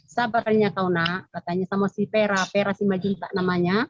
sahabatnya kauna katanya sama si pera pera si majinta namanya